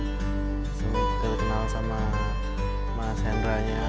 saya sampai kekenal sama sseriiinya